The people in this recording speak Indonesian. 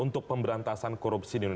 untuk pemberantasan korupsi di indonesia